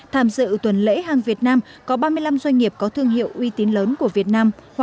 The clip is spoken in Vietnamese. tham dự tuần lễ hàng việt nam có ba mươi năm doanh nghiệp có thương hiệu uy tín lớn của việt nam